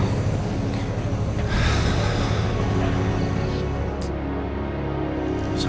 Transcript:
biar aku pulang